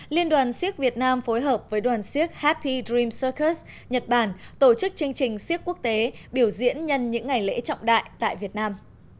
liên đoàn siếc việt nam phối hợp với đoàn siếc hp dream secust nhật bản tổ chức chương trình siếc quốc tế biểu diễn nhân những ngày lễ trọng đại tại việt nam